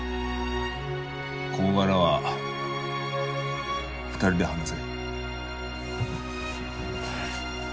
こごがらは２人で話せ。